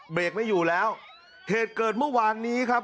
เบรกไม่อยู่แล้วเหตุเกิดเมื่อวานนี้ครับ